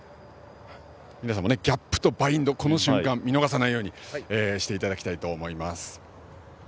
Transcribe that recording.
皆さんもギャップとバインドの瞬間を見逃さないようにしてもらえればと思います。